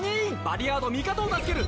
リヤード味方を助ける！